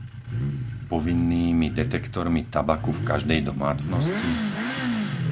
Povinnými detektormi tabaku v každej domácnosti?